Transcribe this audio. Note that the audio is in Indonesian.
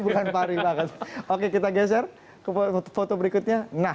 bukan fahri banget oke kita geser ke foto berikutnya nah